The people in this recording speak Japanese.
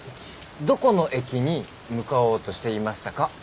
どこの駅に向かおうとしていましたか？